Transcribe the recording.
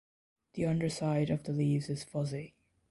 The underside of the leaves is fuzzy.